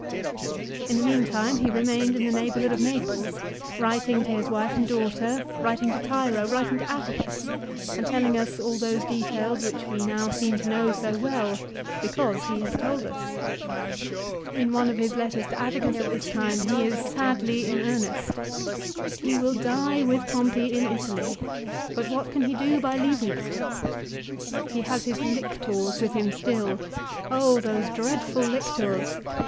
In the meantime he re mained in the neighbourhood of Naples, writing to his wife and daughter, writing to Tiro, writing to Atticus, and telling us all those details which we now seem to know so well, because he has told us. In one of his letters to Atticus at this time he is sadly in earnest. He will die with Pompey in Italy, but what can he do by leaving it ? He has his 142 LIFE OF CICERO. " lictors " with him still. Oh those dreadful lictors